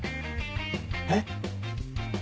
えっ？